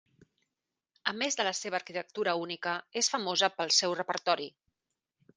A més de la seva arquitectura única, és famosa pel seu repertori.